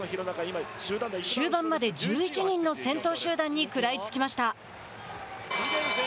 終盤まで１１人の先頭集団に食らいつきました。